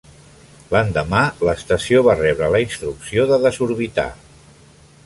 L'endemà, l'estació va rebre la instrucció de desorbitar.